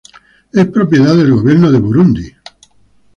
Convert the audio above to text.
Es propiedad del Gobierno de Burundi.